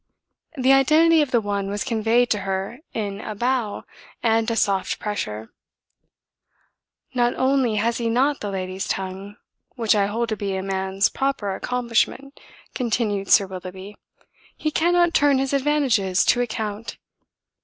The identity of the one was conveyed to her in a bow and a soft pressure. "Not only has he not the lady's tongue, which I hold to be a man's proper accomplishment," continued Sir Willoughby, "he cannot turn his advantages to account.